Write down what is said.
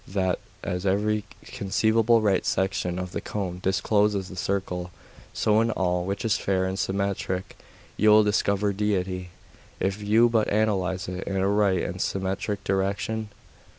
That, as every conceivable right section of the cone discloses the circle, so in all which is fair and symmetric you will discover Deity, if you but analyse it in a right and symmetric direction?